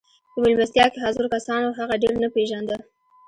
په مېلمستیا کې حاضرو کسانو هغه ډېر نه پېژانده